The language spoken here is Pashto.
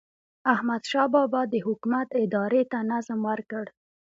احمدشاه بابا د حکومت ادارې ته نظم ورکړ.